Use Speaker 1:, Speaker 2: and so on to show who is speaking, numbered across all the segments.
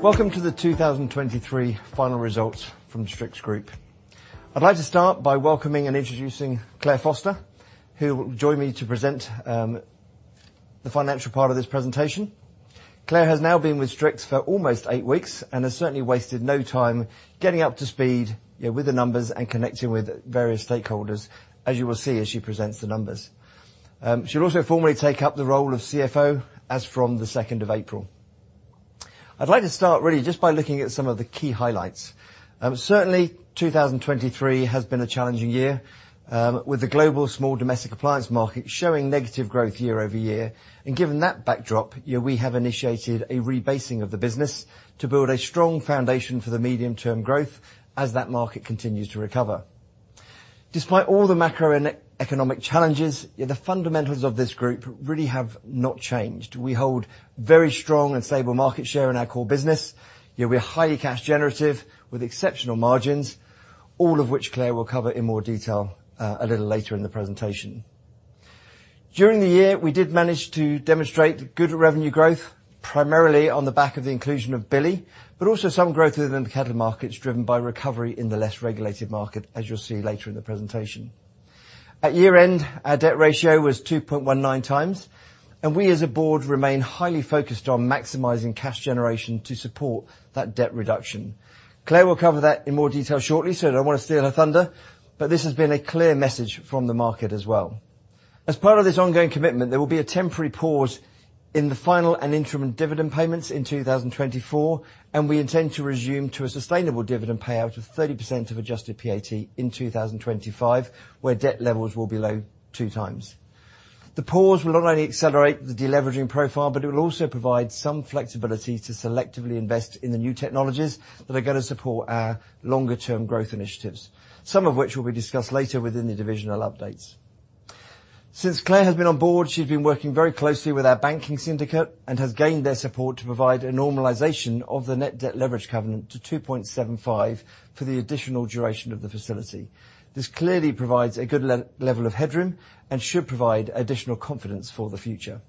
Speaker 1: Welcome to the 2023 final results from Strix Group. I'd like to start by welcoming and introducing Clare Foster, who will join me to present the financial part of this presentation. Clare has now been with Strix for almost eight weeks and has certainly wasted no time getting up to speed, you know, with the numbers and connecting with various stakeholders, as you will see as she presents the numbers. She'll also formally take up the role of CFO as from the 2nd of April. I'd like to start really just by looking at some of the key highlights. Certainly 2023 has been a challenging year, with the global small domestic appliance market showing negative growth year-over-year. Given that backdrop, you know, we have initiated a rebasing of the business to build a strong foundation for the medium-term growth as that market continues to recover. Despite all the macroeconomic challenges, you know, the fundamentals of this group really have not changed. We hold very strong and stable market share in our core business. You know, we're highly cash-generative with exceptional margins, all of which Clare will cover in more detail, a little later in the presentation. During the year, we did manage to demonstrate good revenue growth, primarily on the back of the inclusion of Billi, but also some growth within the kettle markets driven by recovery in the less regulated market, as you'll see later in the presentation. At year-end, our debt ratio was 2.19x, and we as a board remain highly focused on maximizing cash generation to support that debt reduction. Clare will cover that in more detail shortly, so I don't want to steal her thunder, but this has been a clear message from the market as well. As part of this ongoing commitment, there will be a temporary pause in the final and interim dividend payments in 2024, and we intend to resume to a sustainable dividend payout of 30% of Adjusted PAT in 2025, where debt levels will be low 2x. The pause will not only accelerate the deleveraging profile, but it will also provide some flexibility to selectively invest in the new technologies that are going to support our longer-term growth initiatives, some of which will be discussed later within the divisional updates. Since Clare has been on board, she's been working very closely with our banking syndicate and has gained their support to provide a normalization of the net debt leverage covenant to 2.75 for the additional duration of the facility. This clearly provides a good level of headroom and should provide additional confidence for the future.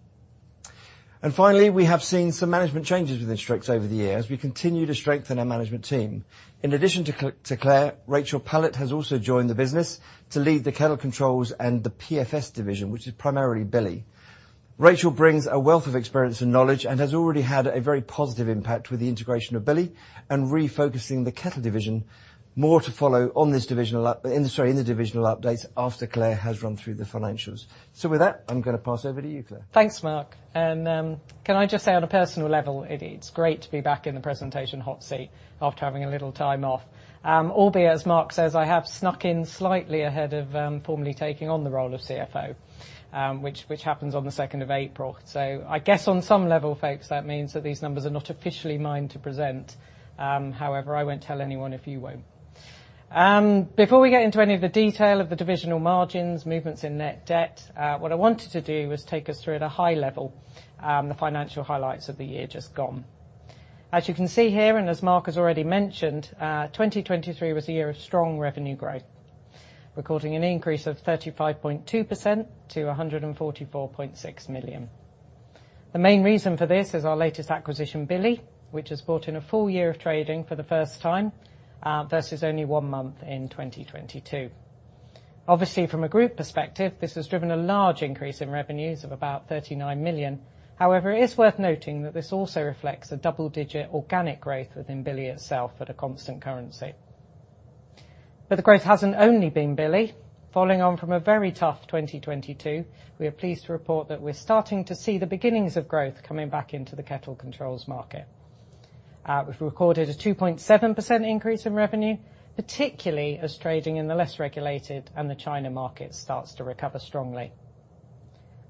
Speaker 1: And finally, we have seen some management changes within Strix over the year as we continue to strengthen our management team. In addition to Clare, Rachel Pallett has also joined the business to lead the kettle controls and the PFS division, which is primarily Billi. Rachel brings a wealth of experience and knowledge and has already had a very positive impact with the integration of Billi and refocusing the kettle division more to follow on this in the divisional updates after Clare has run through the financials. So with that, I'm going to pass over to you, Clare.
Speaker 2: Thanks, Mark. And, can I just say on a personal level, it's great to be back in the presentation hot seat after having a little time off, albeit as Mark says, I have snuck in slightly ahead of formally taking on the role of CFO, which happens on the 2nd of April. So I guess on some level, folks, that means that these numbers are not officially mine to present. However, I won't tell anyone if you won't. Before we get into any of the detail of the divisional margins, movements in net debt, what I wanted to do was take us through at a high level, the financial highlights of the year just gone. As you can see here, and as Mark has already mentioned, 2023 was a year of strong revenue growth, recording an increase of 35.2% to 144.6 million. The main reason for this is our latest acquisition, Billi, which has brought in a full year of trading for the first time, versus only one month in 2022. Obviously, from a group perspective, this has driven a large increase in revenues of about 39 million. However, it is worth noting that this also reflects a double-digit organic growth within Billi itself at a constant currency. But the growth hasn't only been Billi. Following on from a very tough 2022, we are pleased to report that we're starting to see the beginnings of growth coming back into the kettle controls market. We've recorded a 2.7% increase in revenue, particularly as trading in the less regulated and the China market starts to recover strongly.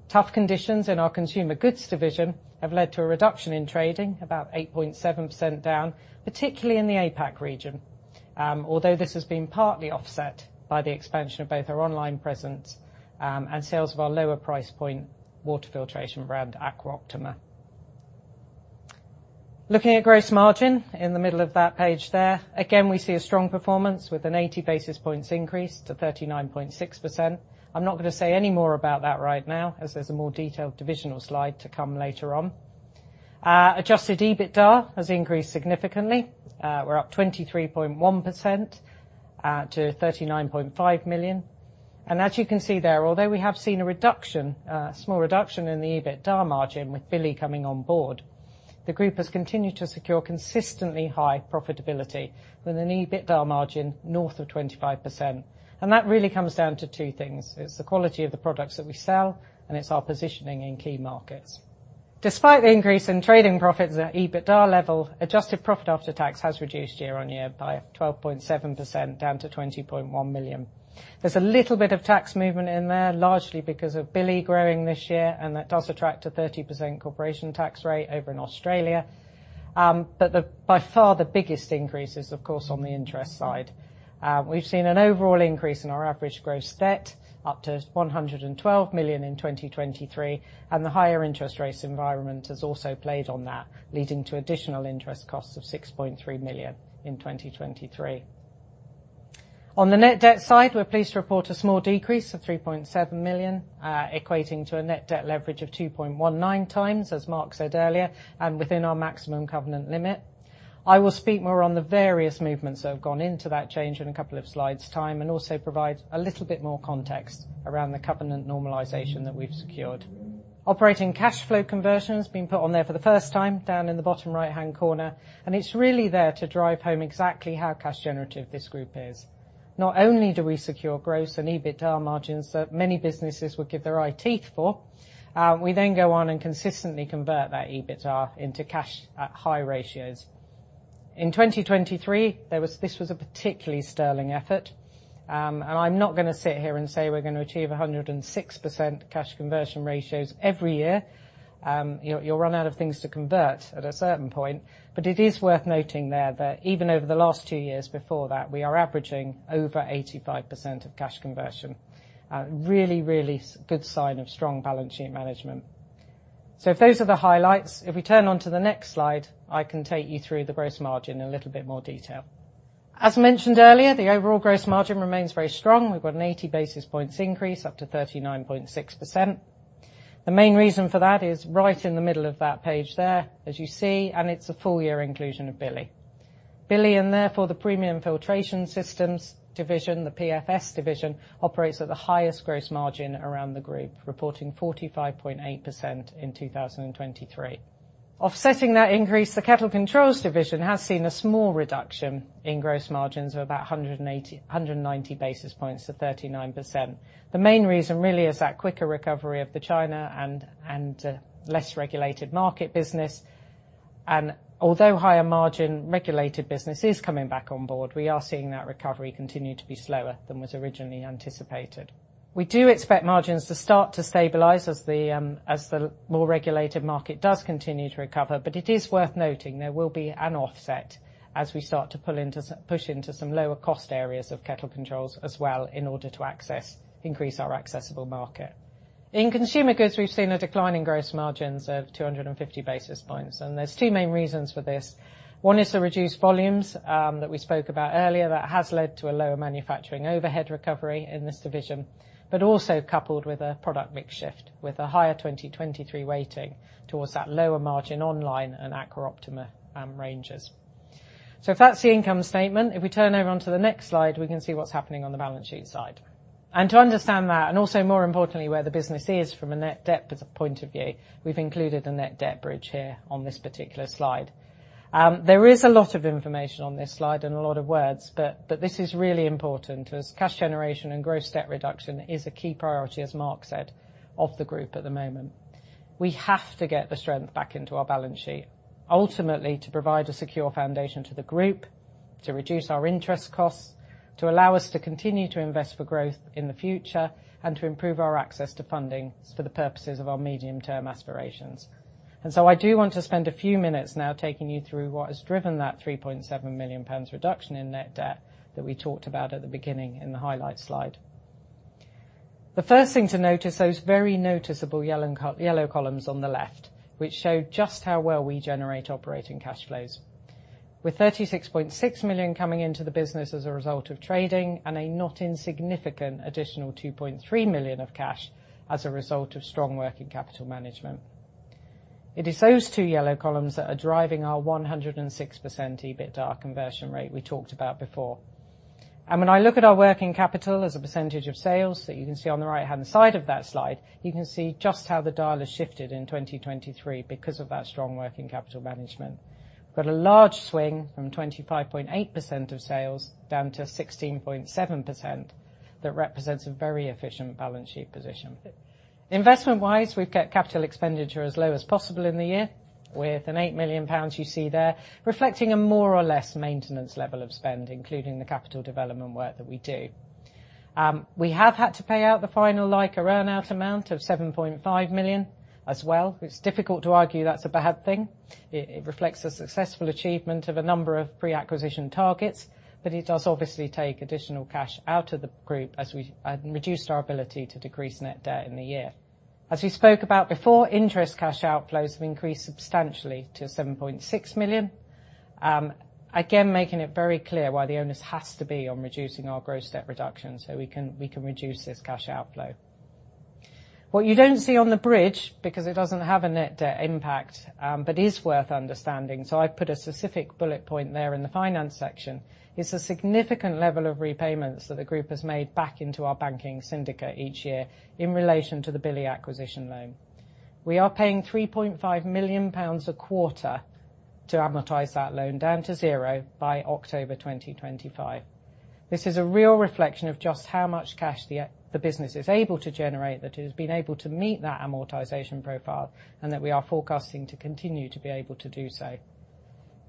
Speaker 2: Tough conditions in our consumer goods division have led to a reduction in trading, about 8.7% down, particularly in the APAC region, although this has been partly offset by the expansion of both our online presence, and sales of our lower-price point water filtration brand Aqua Optima. Looking at gross margin in the middle of that page there, again, we see a strong performance with an 80 basis points increase to 39.6%. I'm not going to say any more about that right now as there's a more detailed divisional slide to come later on. Adjusted EBITDA has increased significantly. We're up 23.1%, to 39.5 million. And as you can see there, although we have seen a reduction, small reduction in the EBITDA margin with Billi coming on board, the group has continued to secure consistently high profitability with an EBITDA margin north of 25%. That really comes down to two things. It's the quality of the products that we sell, and it's our positioning in key markets. Despite the increase in trading profits at EBITDA level, adjusted profit after tax has reduced year-over-year by 12.7% down to 20.1 million. There's a little bit of tax movement in there, largely because of Billi growing this year, and that does attract a 30% corporation tax rate over in Australia. But by far the biggest increase is, of course, on the interest side. We've seen an overall increase in our average gross debt up to 112 million in 2023, and the higher interest rates environment has also played on that, leading to additional interest costs of 6.3 million in 2023. On the net debt side, we're pleased to report a small decrease of 3.7 million, equating to a net debt leverage of 2.19x, as Mark said earlier, and within our maximum covenant limit. I will speak more on the various movements that have gone into that change in a couple of slides' time and also provide a little bit more context around the covenant normalization that we've secured. Operating cash flow conversion has been put on there for the first time down in the bottom right-hand corner, and it's really there to drive home exactly how cash-generative this group is. Not only do we secure gross and EBITDA margins that many businesses would give their eye teeth for, we then go on and consistently convert that EBITDA into cash at high ratios. In 2023, there was a particularly sterling effort. I'm not going to sit here and say we're going to achieve 106% cash conversion ratios every year. You'll, you'll run out of things to convert at a certain point. But it is worth noting there that even over the last two years before that, we are averaging over 85% of cash conversion, a really, really good sign of strong balance sheet management. So if those are the highlights, if we turn onto the next slide, I can take you through the gross margin in a little bit more detail. As mentioned earlier, the overall gross margin remains very strong. We've got an 80 basis points increase up to 39.6%. The main reason for that is right in the middle of that page there, as you see, and it's a full-year inclusion of Billi. Billi and therefore the premium filtration systems division, the PFS division, operates at the highest gross margin around the group, reporting 45.8% in 2023. Offsetting that increase, the kettle controls division has seen a small reduction in gross margins of about 180-190 basis points to 39%. The main reason really is that quicker recovery of the China and less regulated market business. Although higher-margin regulated business is coming back on board, we are seeing that recovery continue to be slower than was originally anticipated. We do expect margins to start to stabilize as the more regulated market does continue to recover, but it is worth noting there will be an offset as we start to push into some lower-cost areas of kettle controls as well in order to access increase our accessible market. In consumer goods, we've seen a decline in gross margins of 250 basis points. There's two main reasons for this. One is the reduced volumes, that we spoke about earlier that has led to a lower manufacturing overhead recovery in this division, but also coupled with a product mix shift with a higher 2023 weighting towards that lower margin online and Aqua Optima ranges. If that's the income statement, if we turn over onto the next slide, we can see what's happening on the balance sheet side. To understand that, and also more importantly, where the business is from a net debt point of view, we've included a net debt bridge here on this particular slide. There is a lot of information on this slide and a lot of words, but this is really important as cash generation and gross debt reduction is a key priority, as Mark said, of the group at the moment. We have to get the strength back into our balance sheet, ultimately to provide a secure foundation to the group, to reduce our interest costs, to allow us to continue to invest for growth in the future, and to improve our access to funding for the purposes of our medium-term aspirations. And so I do want to spend a few minutes now taking you through what has driven that 3.7 million pounds reduction in net debt that we talked about at the beginning in the highlight slide. The first thing to notice, those very noticeable yellow columns on the left, which show just how well we generate operating cash flows, with 36.6 million coming into the business as a result of trading and a not insignificant additional 2.3 million of cash as a result of strong working capital management. It is those two yellow columns that are driving our 106% EBITDA conversion rate we talked about before. And when I look at our working capital as a percentage of sales that you can see on the right-hand side of that slide, you can see just how the dial has shifted in 2023 because of that strong working capital management. We've got a large swing from 25.8% of sales down to 16.7% that represents a very efficient balance sheet position. Investment-wise, we've kept capital expenditure as low as possible in the year with a 8 million pounds you see there, reflecting a more or less maintenance level of spend, including the capital development work that we do. We have had to pay out the final LAICA earnout amount of 7.5 million as well. It's difficult to argue that's a bad thing. It, it reflects a successful achievement of a number of pre-acquisition targets, but it does obviously take additional cash out of the group as we reduced our ability to decrease net debt in the year. As we spoke about before, interest cash outflows have increased substantially to 7.6 million, again making it very clear why the onus has to be on reducing our gross debt reduction so we can we can reduce this cash outflow. What you don't see on the bridge because it doesn't have a net debt impact, but is worth understanding, so I've put a specific bullet point there in the finance section, is the significant level of repayments that the group has made back into our banking syndicate each year in relation to the Billi acquisition loan. We are paying 3.5 million pounds a quarter to amortize that loan down to zero by October 2025. This is a real reflection of just how much cash the business is able to generate that has been able to meet that amortization profile and that we are forecasting to continue to be able to do so.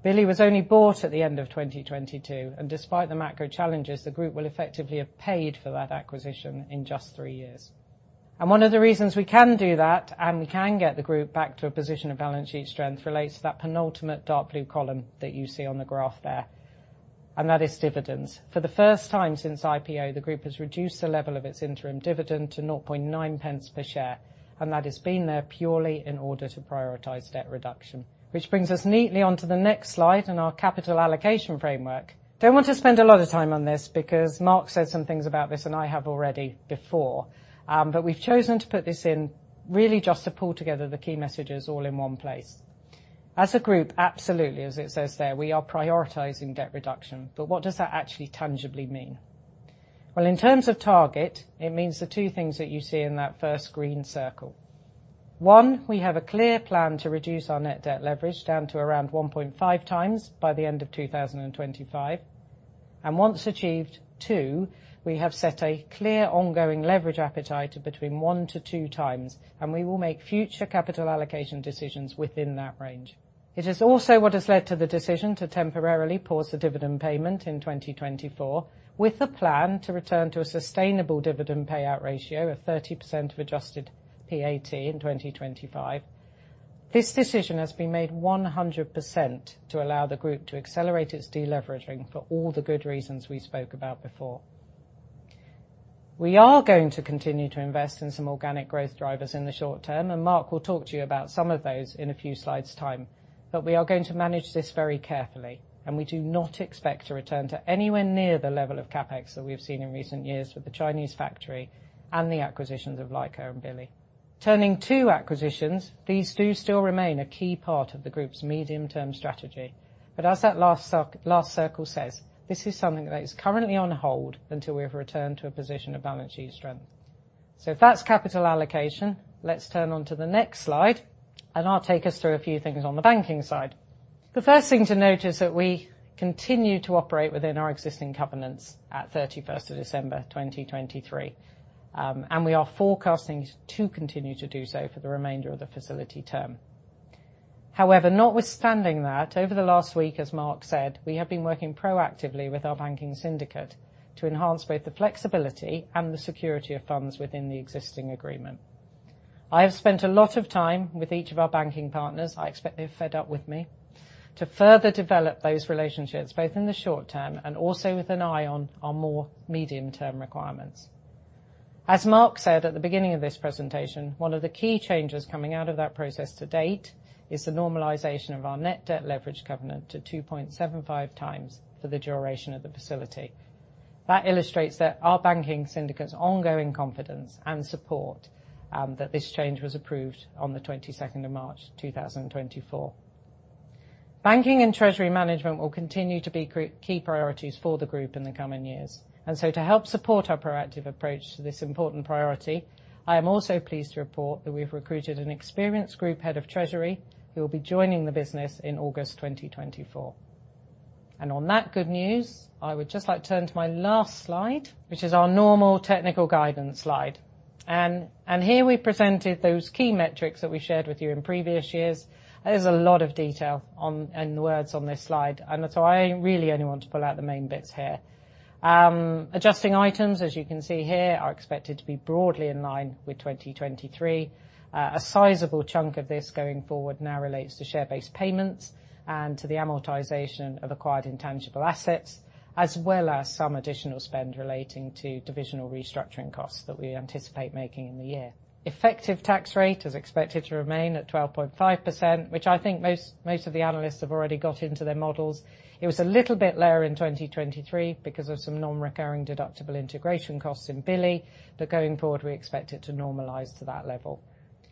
Speaker 2: Billi was only bought at the end of 2022, and despite the macro challenges, the group will effectively have paid for that acquisition in just three years. One of the reasons we can do that and we can get the group back to a position of balance sheet strength relates to that penultimate dark blue column that you see on the graph there, and that is dividends. For the first time since IPO, the group has reduced the level of its interim dividend to 0.009 per share, and that has been there purely in order to prioritize debt reduction, which brings us neatly onto the next slide and our capital allocation framework. Don't want to spend a lot of time on this because Mark said some things about this and I have already before, but we've chosen to put this in really just to pull together the key messages all in one place. As a group, absolutely, as it says there, we are prioritizing debt reduction. But what does that actually tangibly mean? Well, in terms of target, it means the two things that you see in that first green circle. One, we have a clear plan to reduce our net debt leverage down to around 1.5x by the end of 2025. And once achieved, two, we have set a clear ongoing leverage appetite of between 1-2x, and we will make future capital allocation decisions within that range. It is also what has led to the decision to temporarily pause the dividend payment in 2024 with a plan to return to a sustainable dividend payout ratio of 30% of adjusted PAT in 2025. This decision has been made 100% to allow the group to accelerate its deleveraging for all the good reasons we spoke about before. We are going to continue to invest in some organic growth drivers in the short term, and Mark will talk to you about some of those in a few slides' time. But we are going to manage this very carefully, and we do not expect to return to anywhere near the level of Capex that we've seen in recent years with the Chinese factory and the acquisitions of LAICA and Billi. Turning to acquisitions, these do still remain a key part of the group's medium-term strategy. But as that last such circle says, this is something that is currently on hold until we have returned to a position of balance sheet strength. So if that's capital allocation, let's turn onto the next slide, and I'll take us through a few things on the banking side. The first thing to notice that we continue to operate within our existing covenants at 31st of December 2023, and we are forecasting to continue to do so for the remainder of the facility term. However, notwithstanding that, over the last week, as Mark said, we have been working proactively with our banking syndicate to enhance both the flexibility and the security of funds within the existing agreement. I have spent a lot of time with each of our banking partners, I expect they're fed up with me, to further develop those relationships both in the short term and also with an eye on our more medium-term requirements. As Mark said at the beginning of this presentation, one of the key changes coming out of that process to date is the normalization of our net debt leverage covenant to 2.75x for the duration of the facility. That illustrates that our banking syndicate's ongoing confidence and support, that this change was approved on the 22nd of March 2024. Banking and treasury management will continue to be key priorities for the group in the coming years. So to help support our proactive approach to this important priority, I am also pleased to report that we've recruited an experienced group head of treasury who will be joining the business in August 2024. On that good news, I would just like to turn to my last slide, which is our normal technical guidance slide. And here we presented those key metrics that we shared with you in previous years. There's a lot of detail and words on this slide, and so I only really want to pull out the main bits here. Adjusting items, as you can see here, are expected to be broadly in line with 2023. A sizable chunk of this going forward now relates to share-based payments and to the amortization of acquired intangible assets as well as some additional spend relating to divisional restructuring costs that we anticipate making in the year. Effective tax rate is expected to remain at 12.5%, which I think most, most of the analysts have already got into their models. It was a little bit lower in 2023 because of some non-recurring deductible integration costs in Billi, but going forward, we expect it to normalize to that level.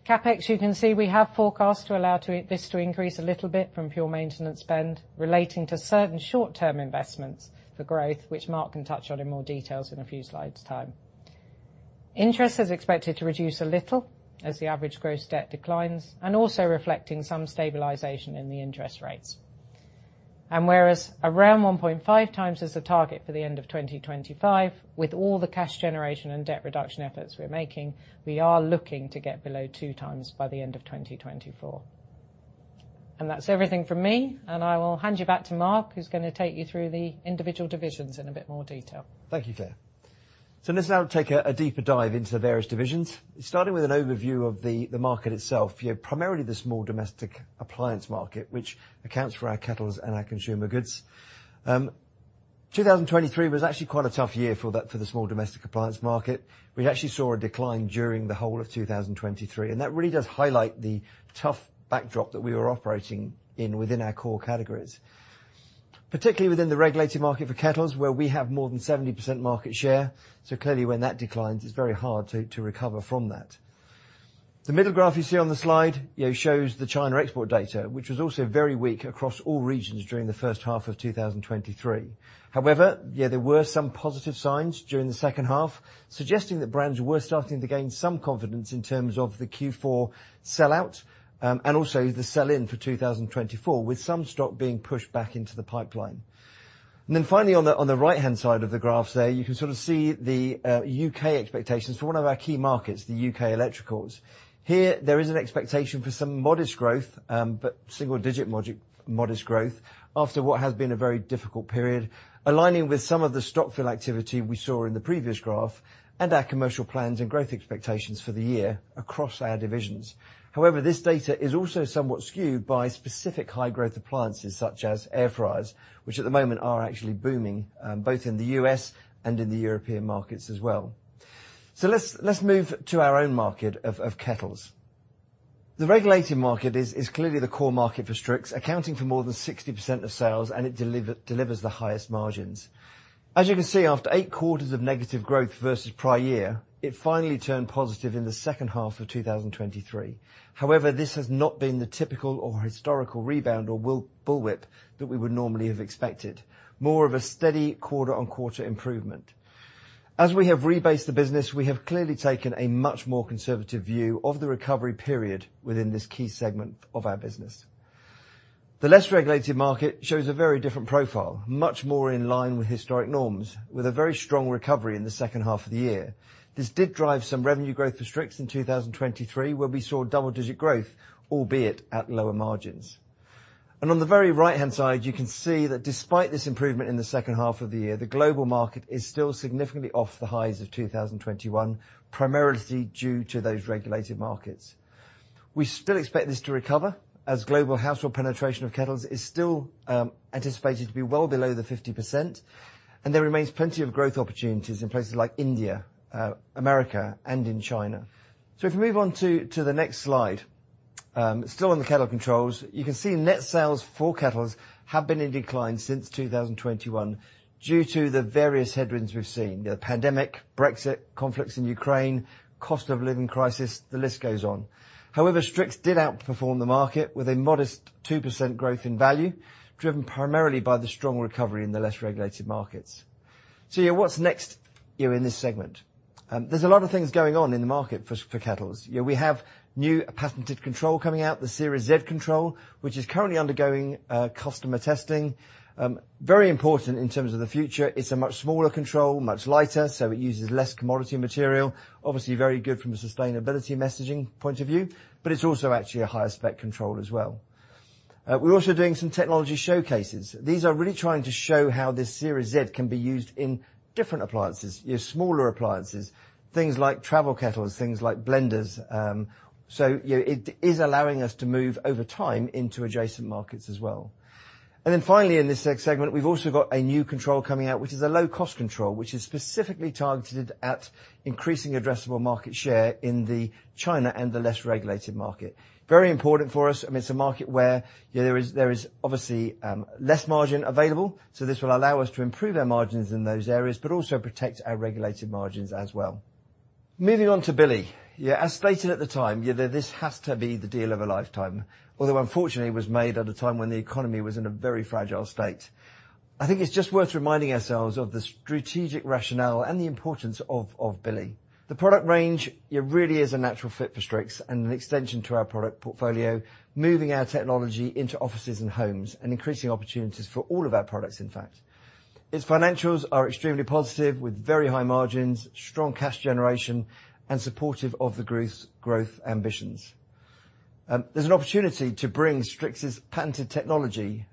Speaker 2: Capex, you can see we have forecast to allow this to increase a little bit from pure maintenance spend relating to certain short-term investments for growth, which Mark can touch on in more details in a few slides' time. Interest is expected to reduce a little as the average gross debt declines and also reflecting some stabilization in the interest rates. Whereas around 1.5x is the target for the end of 2025, with all the cash generation and debt reduction efforts we're making, we are looking to get below 2x by the end of 2024. That's everything from me, and I will hand you back to Mark, who's going to take you through the individual divisions in a bit more detail.
Speaker 1: Thank you, Clare. Let's now take a deeper dive into the various divisions, starting with an overview of the market itself, you know, primarily the small domestic appliance market, which accounts for our kettles and our consumer goods. 2023 was actually quite a tough year for that, the small domestic appliance market. We actually saw a decline during the whole of 2023, and that really does highlight the tough backdrop that we were operating in within our core categories, particularly within the regulated market for kettles where we have more than 70% market share. So clearly, when that declines, it's very hard to recover from that. The middle graph you see on the slide, you know, shows the China export data, which was also very weak across all regions during the first half of 2023. However, yeah, there were some positive signs during the second half suggesting that brands were starting to gain some confidence in terms of the Q4 sellout, and also the sell-in for 2024 with some stock being pushed back into the pipeline. Then finally, on the right-hand side of the graph there, you can sort of see the UK expectations for one of our key markets, the UK electricals. Here, there is an expectation for some modest growth, but single-digit modest growth after what has been a very difficult period, aligning with some of the stock fill activity we saw in the previous graph and our commercial plans and growth expectations for the year across our divisions. However, this data is also somewhat skewed by specific high-growth appliances such as air fryers, which at the moment are actually booming, both in the U.S. and in the European markets as well. So let's move to our own market of kettles. The regulated market is clearly the core market for Strix, accounting for more than 60% of sales, and it delivers the highest margins. As you can see, after eight quarters of negative growth versus prior year, it finally turned positive in the second half of 2023. However, this has not been the typical or historical rebound or will bullwhip that we would normally have expected, more of a steady quarter-on-quarter improvement. As we have rebased the business, we have clearly taken a much more conservative view of the recovery period within this key segment of our business. The less regulated market shows a very different profile, much more in line with historic norms, with a very strong recovery in the second half of the year. This did drive some revenue growth for Strix in 2023 where we saw double-digit growth, albeit at lower margins. On the very right-hand side, you can see that despite this improvement in the second half of the year, the global market is still significantly off the highs of 2021, primarily due to those regulated markets. We still expect this to recover as global household penetration of kettles is still anticipated to be well below the 50%, and there remains plenty of growth opportunities in places like India, America, and in China. So if we move on to the next slide, still on the kettle controls, you can see net sales for kettles have been in decline since 2021 due to the various headwinds we've seen, you know, the pandemic, Brexit, conflicts in Ukraine, cost of living crisis, the list goes on. However, Strix did outperform the market with a modest 2% growth in value driven primarily by the strong recovery in the less regulated markets. So yeah, what's next, you know, in this segment? There's a lot of things going on in the market for, for kettles. You know, we have new patented control coming out, the Series Z control, which is currently undergoing customer testing. Very important in terms of the future. It's a much smaller control, much lighter, so it uses less commodity material, obviously very good from a sustainability messaging point of view, but it's also actually a higher spec control as well. We're also doing some technology showcases. These are really trying to show how this Series Z can be used in different appliances, you know, smaller appliances, things like travel kettles, things like blenders. So you know, it is allowing us to move over time into adjacent markets as well. And then finally, in this segment, we've also got a new control coming out, which is a low-cost control, which is specifically targeted at increasing addressable market share in China and the less regulated market. Very important for us. I mean, it's a market where, you know, there is obviously less margin available, so this will allow us to improve our margins in those areas but also protect our regulated margins as well. Moving on to Billi. Yeah, as stated at the time, you know, this has to be the deal of a lifetime, although unfortunately was made at a time when the economy was in a very fragile state. I think it's just worth reminding ourselves of the strategic rationale and the importance of Billi. The product range, you know, really is a natural fit for Strix and an extension to our product portfolio, moving our technology into offices and homes and increasing opportunities for all of our products, in fact. Its financials are extremely positive with very high margins, strong cash generation, and supportive of the growth ambitions. There's an opportunity to bring Strix's patented technology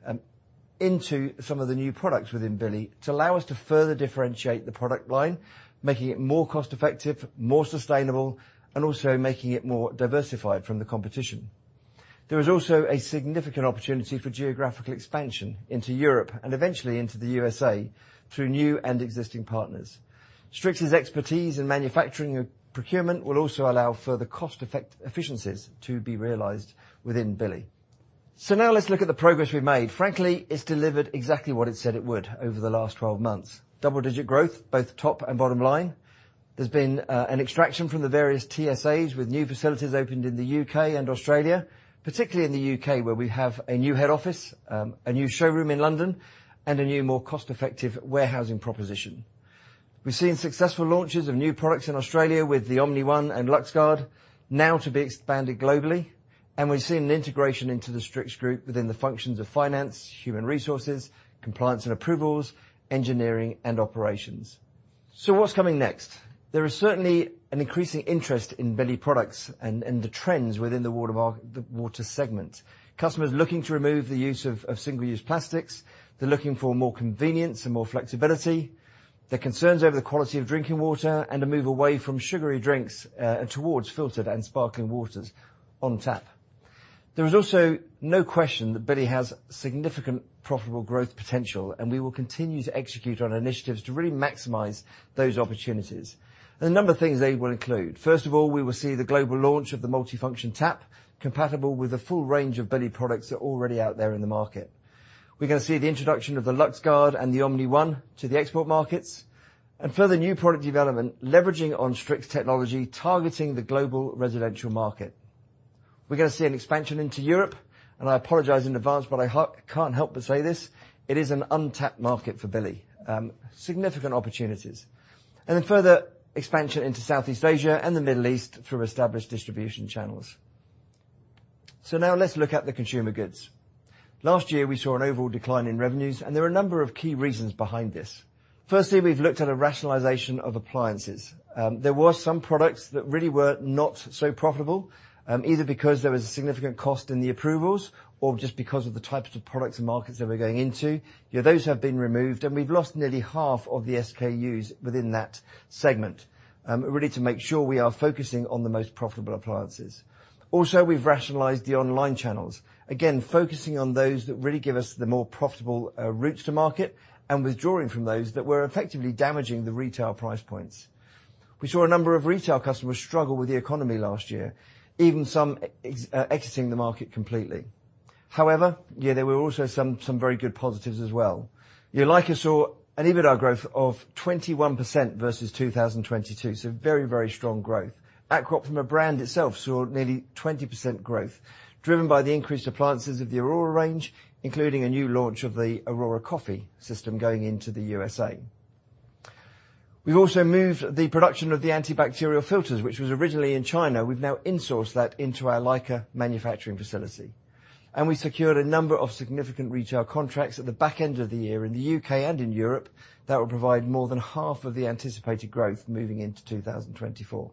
Speaker 1: into some of the new products within Billi to allow us to further differentiate the product line, making it more cost-effective, more sustainable, and also making it more diversified from the competition. There is also a significant opportunity for geographical expansion into Europe and eventually into the USA through new and existing partners. Strix's expertise in manufacturing and procurement will also allow further cost efficiencies to be realized within Billi. So now let's look at the progress we've made. Frankly, it's delivered exactly what it said it would over the last 12 months, double-digit growth both top and bottom line. There's been an extraction from the various TSAs with new facilities opened in the U.K. and Australia, particularly in the U.K. where we have a new head office, a new showroom in London, and a new, more cost-effective warehousing proposition. We've seen successful launches of new products in Australia with the OmniOne and LuxGuard, now to be expanded globally. And we've seen an integration into the Strix Group within the functions of finance, human resources, compliance and approvals, engineering, and operations. So what's coming next? There is certainly an increasing interest in Billi products and the trends within the water market, the water segment. Customers looking to remove the use of single-use plastics. They're looking for more convenience and more flexibility. They're concerned over the quality of drinking water and a move away from sugary drinks, and towards filtered and sparkling waters on tap. There is also no question that Billi has significant profitable growth potential, and we will continue to execute on initiatives to really maximize those opportunities. A number of things they will include. First of all, we will see the global launch of the multifunction tap compatible with a full range of Billi products that are already out there in the market. We're going to see the introduction of the LuxGuard and the OmniOne to the export markets and further new product development leveraging on Strix technology, targeting the global residential market. We're going to see an expansion into Europe, and I apologize in advance, but I can't help but say this. It is an untapped market for Billi, significant opportunities. And then further expansion into Southeast Asia and the Middle East through established distribution channels. So now let's look at the consumer goods. Last year, we saw an overall decline in revenues, and there are a number of key reasons behind this. Firstly, we've looked at a rationalization of appliances. There were some products that really were not so profitable, either because there was a significant cost in the approvals or just because of the types of products and markets they were going into. You know, those have been removed, and we've lost nearly half of the SKUs within that segment, really to make sure we are focusing on the most profitable appliances. Also, we've rationalized the online channels, again focusing on those that really give us the more profitable routes to market and withdrawing from those that were effectively damaging the retail price points. We saw a number of retail customers struggle with the economy last year, even some exiting the market completely. However, yeah, there were also some very good positives as well. You know, LAICA saw an EBITDA growth of 21% versus 2022, so very, very strong growth. Aqua Optima from a brand itself saw nearly 20% growth driven by the increased appliances of the Aurora range, including a new launch of the Aurora Coffee system going into the USA. We've also moved the production of the antibacterial filters, which was originally in China. We've now insourced that into our LAICA manufacturing facility. And we secured a number of significant retail contracts at the back end of the year in the UK and in Europe that will provide more than half of the anticipated growth moving into 2024.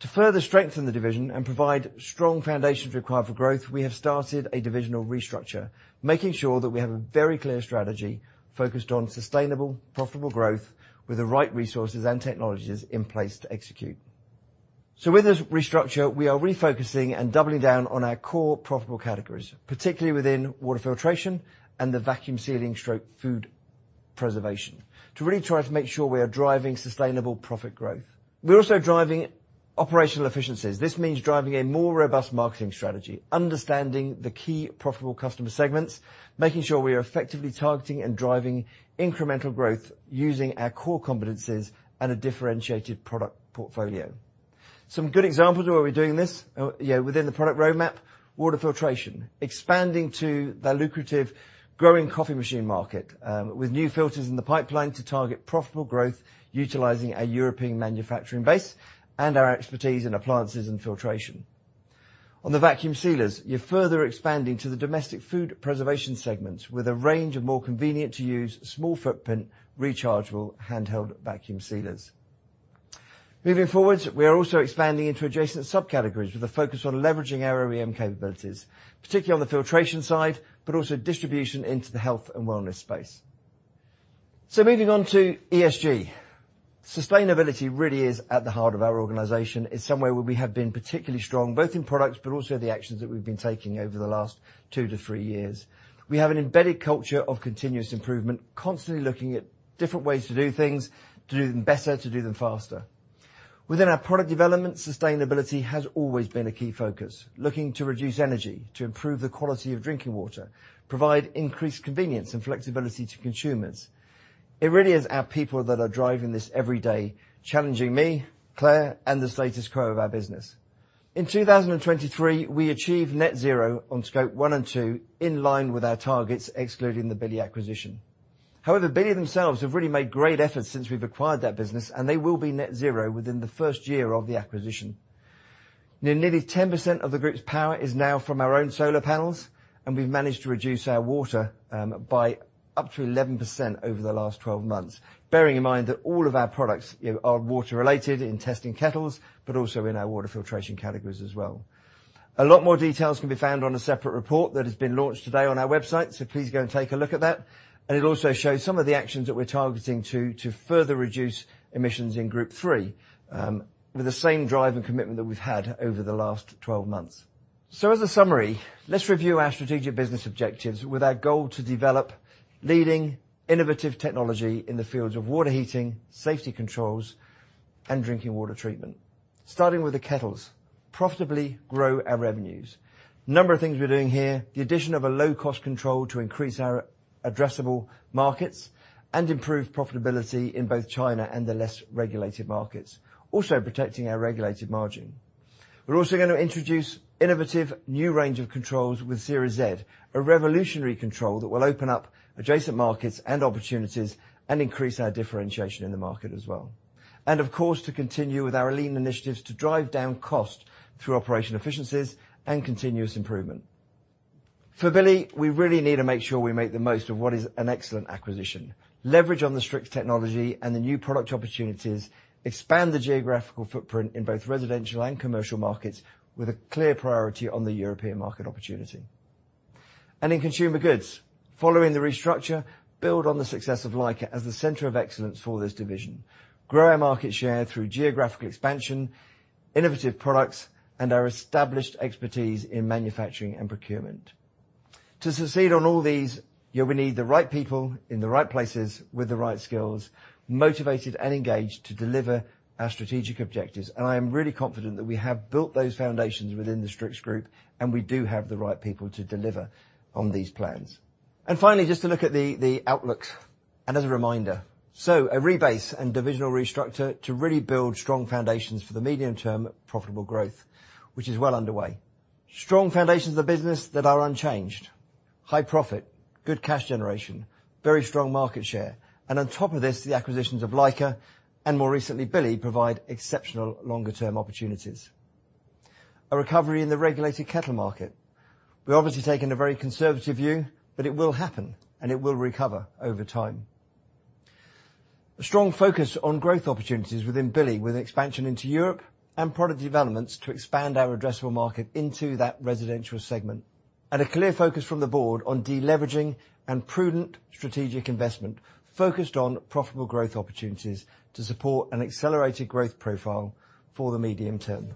Speaker 1: To further strengthen the division and provide strong foundations required for growth, we have started a divisional restructure, making sure that we have a very clear strategy focused on sustainable, profitable growth with the right resources and technologies in place to execute. So with this restructure, we are refocusing and doubling down on our core profitable categories, particularly within water filtration and the vacuum sealing/food preservation, to really try to make sure we are driving sustainable profit growth. We're also driving operational efficiencies. This means driving a more robust marketing strategy, understanding the key profitable customer segments, making sure we are effectively targeting and driving incremental growth using our core competencies and a differentiated product portfolio. Some good examples of where we're doing this, you know, within the product roadmap, water filtration, expanding to the lucrative growing coffee machine market, with new filters in the pipeline to target profitable growth utilizing our European manufacturing base and our expertise in appliances and filtration. On the vacuum sealers, you're further expanding to the domestic food preservation segments with a range of more convenient-to-use small-footprint rechargeable handheld vacuum sealers. Moving forward, we are also expanding into adjacent subcategories with a focus on leveraging our OEM capabilities, particularly on the filtration side but also distribution into the health and wellness space. So moving on to ESG. Sustainability really is at the heart of our organization. It's somewhere where we have been particularly strong, both in products but also the actions that we've been taking over the last two to three years. We have an embedded culture of continuous improvement, constantly looking at different ways to do things, to do them better, to do them faster. Within our product development, sustainability has always been a key focus, looking to reduce energy, to improve the quality of drinking water, provide increased convenience and flexibility to consumers. It really is our people that are driving this every day, challenging me, Clare, and the status quo of our business. In 2023, we achieved Net Zero on Scope one and two in line with our targets, excluding the Billi acquisition. However, Billi themselves have really made great efforts since we've acquired that business, and they will be Net Zero within the first year of the acquisition. You know, nearly 10% of the group's power is now from our own solar panels, and we've managed to reduce our water by up to 11% over the last 12 months, bearing in mind that all of our products, you know, are water-related in testing kettles but also in our water filtration categories as well. A lot more details can be found on a separate report that has been launched today on our website, so please go and take a look at that. And it also shows some of the actions that we're targeting to, to further reduce emissions in Scope three, with the same drive and commitment that we've had over the last 12 months. So as a summary, let's review our strategic business objectives with our goal to develop leading, innovative technology in the fields of water heating, safety controls, and drinking water treatment. Starting with the kettles, profitably grow our revenues. A number of things we're doing here, the addition of a low-cost control to increase our addressable markets and improve profitability in both China and the less regulated markets, also protecting our regulated margin. We're also going to introduce innovative new range of controls with Series Z, a revolutionary control that will open up adjacent markets and opportunities and increase our differentiation in the market as well. Of course, to continue with our lean initiatives to drive down cost through operation efficiencies and continuous improvement. For Billi, we really need to make sure we make the most of what is an excellent acquisition, leverage on the Strix technology and the new product opportunities, expand the geographical footprint in both residential and commercial markets with a clear priority on the European market opportunity. In consumer goods, following the restructure, build on the success of LAICA as the center of excellence for this division, grow our market share through geographical expansion, innovative products, and our established expertise in manufacturing and procurement. To succeed on all these, you know, we need the right people in the right places with the right skills, motivated and engaged to deliver our strategic objectives. And I am really confident that we have built those foundations within the Strix Group, and we do have the right people to deliver on these plans. And finally, just to look at the outlook and as a reminder, so a rebase and divisional restructure to really build strong foundations for the medium-term profitable growth, which is well underway. Strong foundations of the business that are unchanged, high profit, good cash generation, very strong market share, and on top of this, the acquisitions of LAICA and more recently Billi provide exceptional longer-term opportunities. A recovery in the regulated kettle market. We're obviously taking a very conservative view, but it will happen, and it will recover over time. A strong focus on growth opportunities within Billi with expansion into Europe and product developments to expand our addressable market into that residential segment. A clear focus from the board on deleveraging and prudent strategic investment focused on profitable growth opportunities to support an accelerated growth profile for the medium term.